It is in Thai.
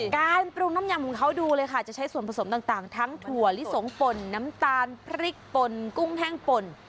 การปรุงน้ำยำของเขาดูเลยค่ะจะใช้ส่วนผสมต่างทั้งถั่วลิสงป่นน้ำตาลพริกป่นกุ้งแห้งป่น